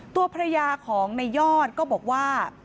ตัวภรรยาของในยอดก็บอกว่า